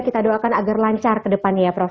kita doakan agar lancar ke depannya ya prof